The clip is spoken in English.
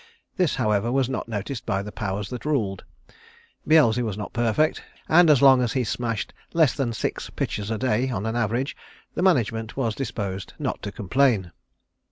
This, however, was not noticed by the powers that ruled. Beelzy was not perfect, and as long as he smashed less than six pitchers a day on an average the management was disposed not to complain.